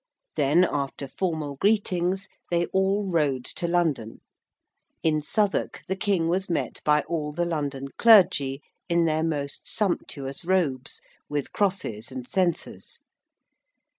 Then, after formal greetings, they all rode to London. In Southwark the King was met by all the London clergy in their most sumptuous robes, with crosses and censers.